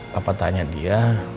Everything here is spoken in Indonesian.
papa tanya dia